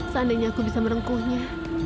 seandainya aku bisa merengkuhnya